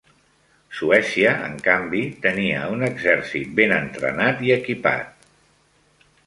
Suècia, en canvi, tenia un exèrcit ben entrenat i equipat.